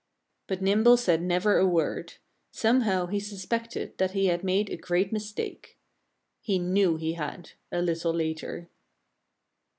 But Nimble said never a word. Somehow he suspected that he had made a great mistake. He knew he had, a little later.